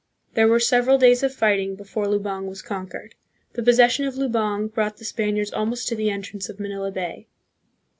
There were several days of fighting before Lu bang was conquered. The possession of Lubang brought the Spaniards almost to the entrance of Manila Bay.